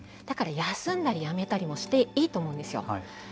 だから休んだりやめたりもしていいと思うんですよ。